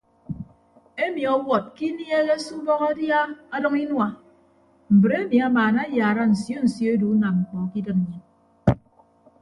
Emi ọwọd ke inieeghe se ubọk adia adʌñ inua mbre emi amaana ayaara nsio nsio edu unam mkpọ ke idịd nnyịn.